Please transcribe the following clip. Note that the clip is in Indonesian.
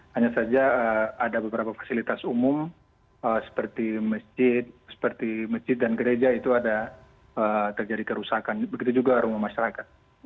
hanya saja ada beberapa fasilitas umum seperti masjid seperti masjid dan gereja itu ada terjadi kerusakan begitu juga rumah masyarakat